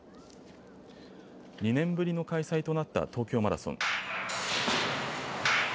２年ぶりの開催となった東京マラソン。